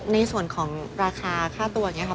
ในส่วนของราคาค่าตัวอย่างนี้ค่ะ